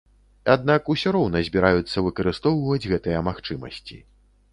Аднак усё роўна збіраюцца выкарыстоўваць гэтыя магчымасці.